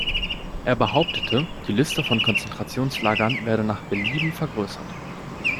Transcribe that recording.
Er behauptete, die Liste von Konzentrationslagern werde nach Belieben vergrößert.